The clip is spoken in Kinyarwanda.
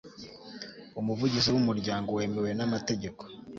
umuvugizi w'umuryango wemewe n'amategeko